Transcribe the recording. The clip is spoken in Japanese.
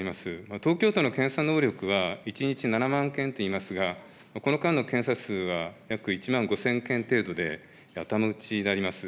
東京都の検査能力は、１日７万件といいますが、この間の検査数は約１万５０００件程度で、頭打ちであります。